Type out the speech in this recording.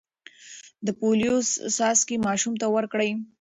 د پولیو څاڅکي ماشوم ته ورکړئ.